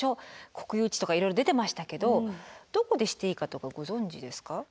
国有地とかいろいろ出てましたけどどこでしていいかとかご存じですか？